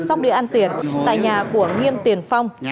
góc đĩa ăn tiền tại nhà của nghiêm tiền phong